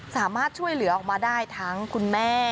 สามารถช่วยเหลือออกมาได้ทั้งคุณแม่